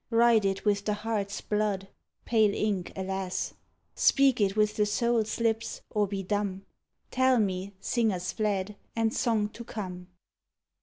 Write it with the heart's blood? (Pale ink, alas!) Speak it with the soul's lips, Or be dumb? Tell me, singers fled, and Song to come!